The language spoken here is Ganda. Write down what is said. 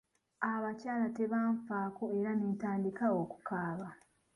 Abakyala tebanfaako era ne ntandika okukaaba.